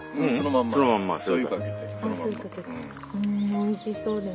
おいしそうでも。